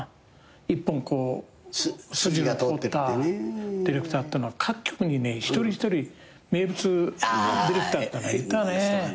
一本筋が通ったディレクターってのは各局にね一人一人名物ディレクターってのはいたね。